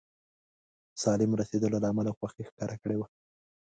سالم رسېدلو له امله خوښي ښکاره کړې وه.